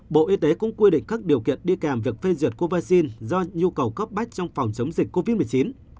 bộ y tế cũng quy định các điều kiện đi kèm việc phê duyệt covid một mươi chín do nhu cầu cấp bách trong phòng chống dịch covid một mươi chín